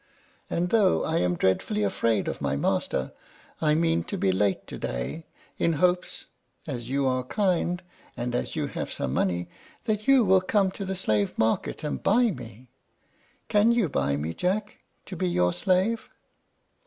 And, though I am dreadfully afraid of my master, I mean to be late to day, in hopes (as you are kind, and as you have some money) that you will come to the slave market and buy me. Can you buy me, Jack, to be your slave?"